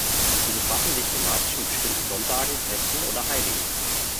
Sie befassen sich thematisch mit bestimmten Sonntagen, Festen oder Heiligen.